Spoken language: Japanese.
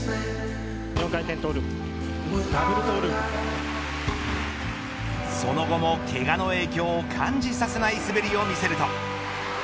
４回転トゥループその後もけがの影響を感じさせない滑りを見せると。